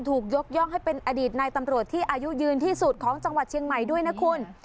ถูกยกย่องให้เป็นอดีตนายตำรวจที่อายุยืนที่สุดของจังหวัดเชียงใหม่ด้วยนะคุณ